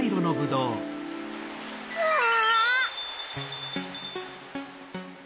わあ！